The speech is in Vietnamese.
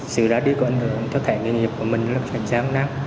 sự ra đi có ảnh hưởng cho thể nghề nghiệp của mình rất là gian nát